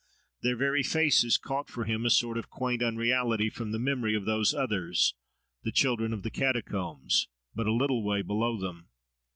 —their very faces caught for him a sort of quaint unreality from the memory of those others, the children of the Catacombs, but a little way below them.